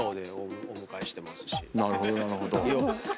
なるほどなるほど。